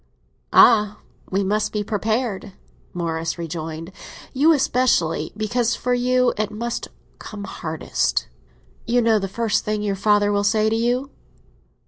"Ah, we must be prepared," Morris rejoined; "you especially, because for you it must come hardest. Do you know the first thing your father will say to you?"